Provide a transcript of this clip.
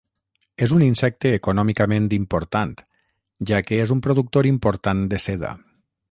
És un insecte econòmicament important, ja que és un productor important de seda.